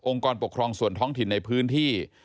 กรปกครองส่วนท้องถิ่นในพื้นที่